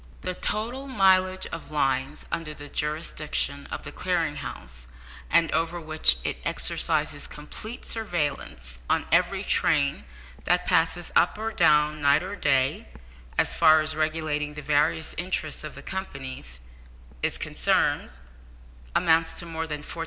The total mileage of lines under the jurisdiction of the Clearing House, and over which it exercises complete surveillance on every train that passes up or down night or day, as far as regulating the various interests of the companies is concerned, amounts to more than 14,000.